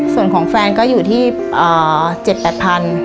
ส่วนของแฟนก็อยู่ที่๗๘พัน